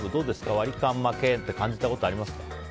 ワリカン負けって感じたことあります？